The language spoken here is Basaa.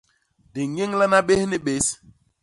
Di ññénlana bés ni bés.